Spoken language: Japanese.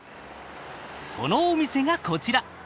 そのお店がこちら。